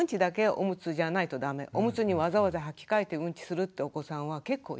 おむつにわざわざはき替えてうんちするってお子さんは結構いるんですね。